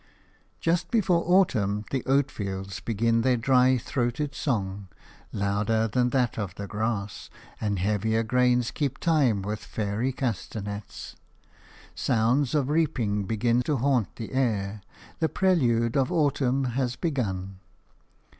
Just before autumn the oat fields begin their dry throated song, louder than that of the grass, and the heavier grains keep time with fairy castanets. Sounds of reaping begin to haunt the air; the prelude of autumn has begun.